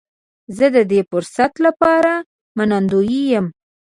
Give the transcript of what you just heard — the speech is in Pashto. زه د دې فرصت لپاره منندوی یم.